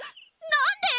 何で？